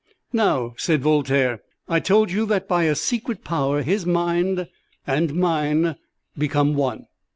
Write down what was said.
"Now," said Voltaire, "I told you that by a secret power his mind and mine became one.